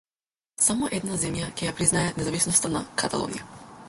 Само една земја ќе ја признае независноста на Каталонија.